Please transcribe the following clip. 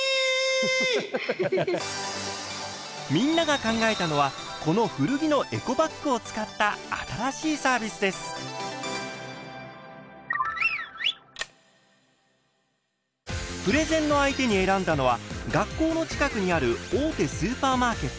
みんなが考えたのはこの古着のプレゼンの相手に選んだのは学校の近くにある大手スーパーマーケット。